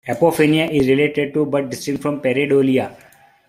"Apophenia" is related to, but distinct from pareidolia.